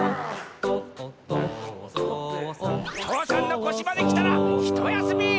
父山のこしまできたらひとやすみ！